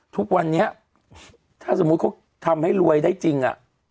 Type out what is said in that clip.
ทุกวันนี้ถ้าสมมุติเขาทำให้รวยได้จริง